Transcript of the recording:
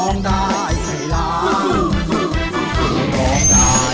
ร้องได้ให้ล้าง